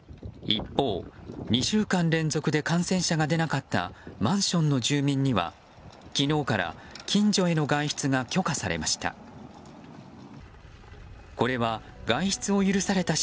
一方、２週間連続で感染者が出なかったマンションの住民には昨日から近所への外出が許可されました。